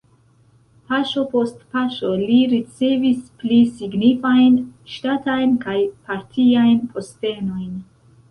Paŝo post paŝo li ricevis pli signifajn ŝtatajn kaj partiajn postenojn.